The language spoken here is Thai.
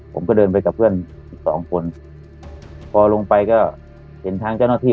ผมก็เดินไปกับเพื่อนอีกสองคนพอลงไปก็เห็นทางเจ้าหน้าที่